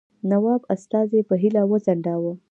نواب استازی په هیله وځنډاوه.